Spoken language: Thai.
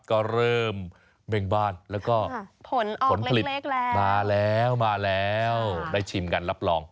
ก็เริ่มเม่งบ้านแล้วก็ผลผลิตเล็กแล้วมาแล้วมาแล้วได้ชิมกันรับรอง